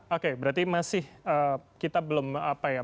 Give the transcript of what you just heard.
oke berarti masih kita belum apa ya